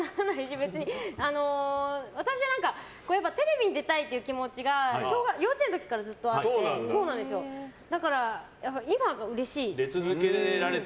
私はテレビに出たいっていう気持ちが幼稚園の時からずっとあってだから今がうれしい。